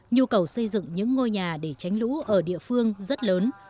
nhu cầu xây dựng những ngôi nhà để tránh lũ ở địa phương rất lớn